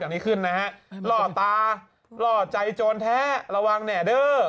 อย่างนี้ขึ้นนะฮะหล่อตาหล่อใจโจรแท้ระวังแหน่เดอร์